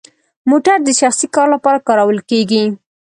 موټر د شخصي کار لپاره کارول کیږي؟